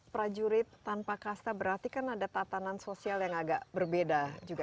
prajurit tanpa kasta berarti kan ada tatanan sosial yang agak berbeda juga